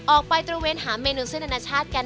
ออกไปตรวนเวนหาเมนูเสื้อนานชาติกัน